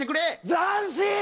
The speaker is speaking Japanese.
斬新！